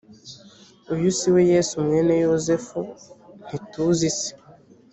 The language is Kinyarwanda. uyu si we yesu mwene yosefu ntituzi se